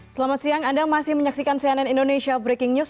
selamat siang anda masih menyaksikan cnn indonesia breaking news